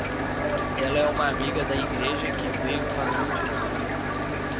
Ela é uma amiga da igreja que veio para o último dia.